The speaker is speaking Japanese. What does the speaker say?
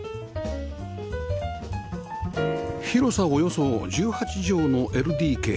広さおよそ１８畳の ＬＤＫ